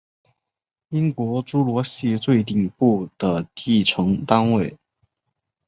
英国侏罗系最顶部的地层单元。